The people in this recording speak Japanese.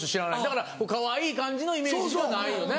だからかわいい感じのイメージしかないよね。